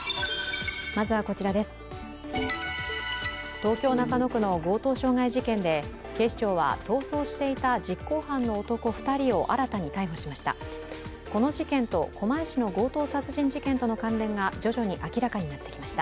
東京・中野区の強盗傷害事件で警視庁は逃走していた実行犯の男２人を新たに逮捕しました。